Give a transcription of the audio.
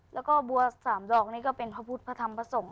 พระบัวสามดอกนี้ก็เป็นพระพุทธพระธรรมพระสงฆ์